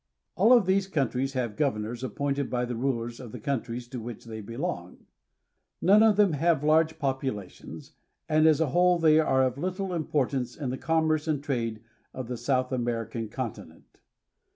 All of these countries have governors appointed by the rulers of the countries to which they belong. None of them have large populations, and as a whole they are of httle importance in the commerce and trade of the South American conti nent.